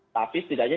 tapi tidak saja